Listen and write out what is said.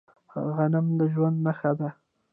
غنم د ژوند نښه ده.